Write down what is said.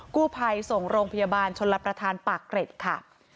กู้ภัยส่งโรงพยาบาลชนรับประทานปากเกร็ดค่ะ